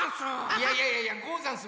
いやいやいやいや「ござんす」